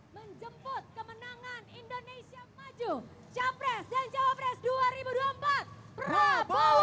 menjemput kemenangan indonesia maju capres dan cawapres dua ribu dua puluh empat prabowo